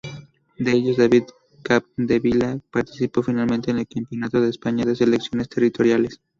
De ellos, David Capdevila participó finalmente en el Campeonato de España de Selecciones Territoriales.